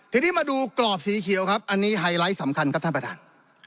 ทีนี้มาดูกรอบสีเขียวครับอันนี้ไฮไลท์สำคัญครับท่านประธาน